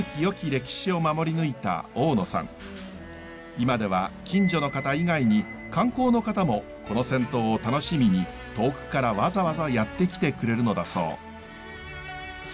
今では近所の方以外に観光の方もこの銭湯を楽しみに遠くからわざわざやって来てくれるのだそう。